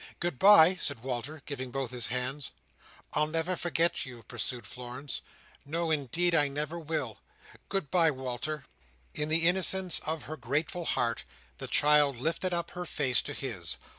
"Good bye!" said Walter, giving both his hands. "I'll never forget you," pursued Florence. "No! indeed I never will. Good bye, Walter!" In the innocence of her grateful heart, the child lifted up her face to his.